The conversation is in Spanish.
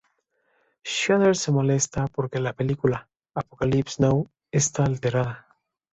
Xander se molesta porque la película "Apocalypse Now" está alterada.